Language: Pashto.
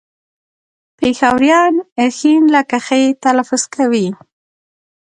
پېښوريان ښ لکه خ تلفظ کوي